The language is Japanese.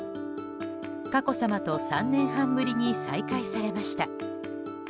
佳子さまと３年半ぶりに再会されました。